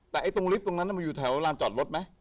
แต่ตรงลิฟต์ตรงนั้นมันอยู่แถวลานจอดรถไหม